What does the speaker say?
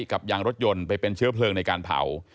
ยางรถยนต์ไปเป็นเชื้อเพลิงในการเผา